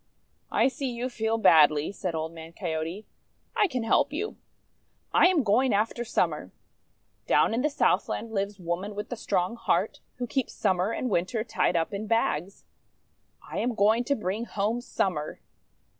"I see you feel badly," said Old Man Coyote. "I can help you. I am going after Summer. Down in the Southland lives Woman with the Strong Heart, who keeps Summer and Winter tied up in bags. I am going to bring home Summer."